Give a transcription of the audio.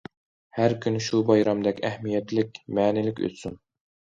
ھەر كۈن شۇ بايرامدەك ئەھمىيەتلىك، مەنىلىك ئۆتسۇن.